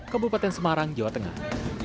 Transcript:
kabupaten semarang jawa tengah